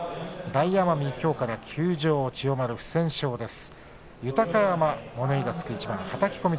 大奄美が、きょうから休場で千代丸の不戦勝です。